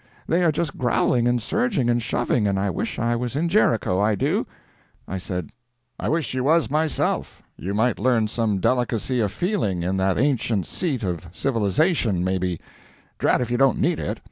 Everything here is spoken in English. They are just growling and surging and shoving, and I wish I was in Jericho I do." I said: "I wish you was, myself. You might learn some delicacy of feeling in that ancient seat of civilization, maybe. Drat if you don't need it."